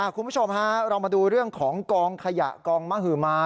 คุณผู้ชมฮะเรามาดูเรื่องของกองขยะกองมหมา